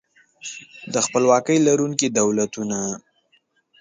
د خپلواکۍ لرونکي دولتونه